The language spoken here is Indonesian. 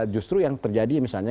justru yang terjadi misalnya